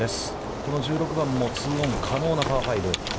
この１６番もツーオン可能なパー５。